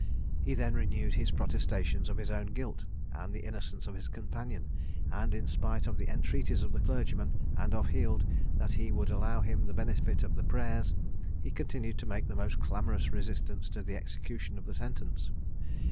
He then renewed his protestations of his own guilt, and the innocence of his companion; and in spite of the entreaties of the clergyman, and of Heald, that he would allow him the benefit of the prayers, he continued to make the most clamorous resistance to the execution of the sentence.